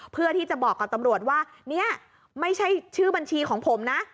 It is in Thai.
เพื่อที่จะบอกกับตำรวจว่าเนี่ยไม่ใช่ชื่อบัญชีของผมนะ